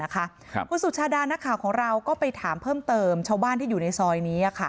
คุณสุชาดานักข่าวของเราก็ไปถามเพิ่มเติมชาวบ้านที่อยู่ในซอยนี้